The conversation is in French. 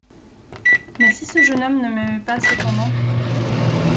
Mais si ce jeune homme ne m’aimait pas cependant ?